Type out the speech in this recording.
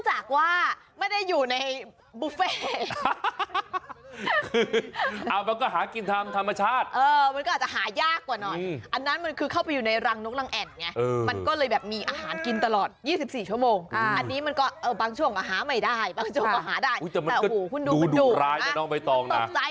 แต่ตัวนี้อาจจะสลิมกว่าหน่อยหอมกว่าหน่อย